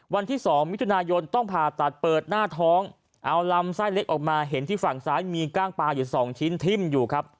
วันที่๒มิถุนายนต้องผ่าตัดเปิดหน้าท้องเอาลำไส้เล็กออกมาเห็นที่ฝั่งซ้ายมีก้างปลาอยู่สองชิ้นทิ้มอยู่ครับ